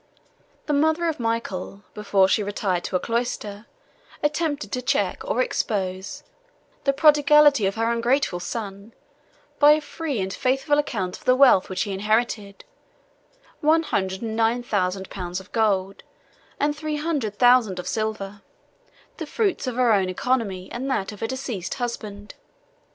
The mother of Michael, before she retired to a cloister, attempted to check or expose the prodigality of her ungrateful son, by a free and faithful account of the wealth which he inherited; one hundred and nine thousand pounds of gold, and three hundred thousand of silver, the fruits of her own economy and that of her deceased husband.